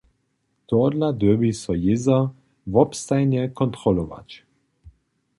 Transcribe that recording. Tohodla dyrbi so ježor wobstajnje kontrolować.